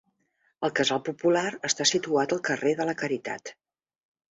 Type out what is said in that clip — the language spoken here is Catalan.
El Casal Popular està situat al carrer de la Caritat.